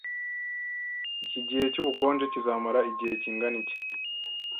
Iki gihe cyubukonje kizamara igihe kingana iki?